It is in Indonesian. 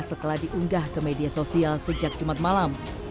setelah diunggah ke media sosial sejak jumat malam